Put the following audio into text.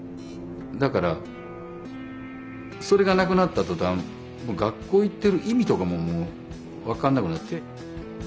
だからそれがなくなった途端学校行ってる意味とかももう分かんなくなって。